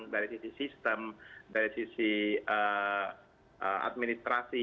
dari sisi sistem dari sisi administrasi